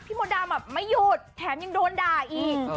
พี่มดดำไม่หยุดแถมอย่างโดนด่าอีก